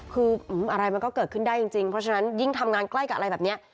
คืออะไรมันก็เกิดขึ้นได้จริงเพราะฉะนั้นยิ่งทำงานใกล้กับอะไรแบบนี้